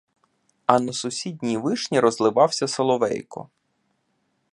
А на сусідній вишні розливався соловейко.